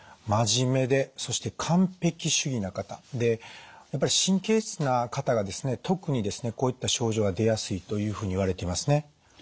真面目でそして完璧主義な方で神経質な方がですね特にですねこういった症状が出やすいというふうにいわれていますね。